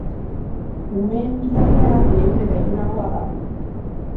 Kumeen ilajea leun eta ilunagoa da.